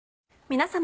皆様。